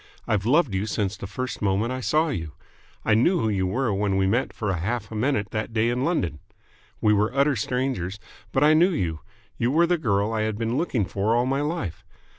I've loved you since the first moment I saw you. I knew who you were when we met for half a minute that day in London. We were utter strangers, but I knew you. You were the girl I had been looking for all my life.